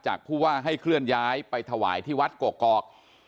ผู้ว่าให้เคลื่อนย้ายไปถวายที่วัดกกอก